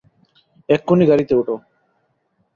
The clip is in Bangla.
এক্ষুণি গাড়ীতে উঠো!